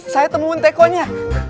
saya temuin tekonya